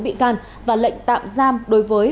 bị can và lệnh tạm giam đối với